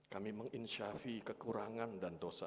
kami menginsyafi kekurangan dan dosa